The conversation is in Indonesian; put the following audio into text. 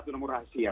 atau nomor rahasia